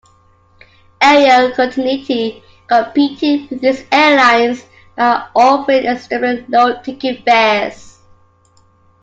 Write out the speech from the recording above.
Aero Continente competed with these airlines by offering extremely low ticket fares.